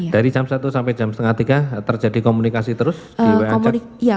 dari jam satu sampai jam setengah tiga terjadi komunikasi terus di wanchat